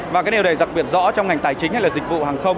và cái điều này đặc biệt rõ trong ngành tài chính hay là dịch vụ hàng không